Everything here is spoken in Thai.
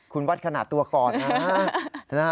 คุณวัดขนาดตัวก่อนนะ